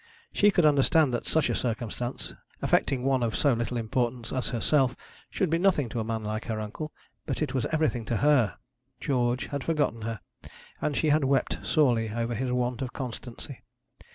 She could understand that such a circumstance, affecting one of so little importance as herself, should be nothing to a man like her uncle; but it was everything to her. George had forgotten her, and she had wept sorely over his want of constancy.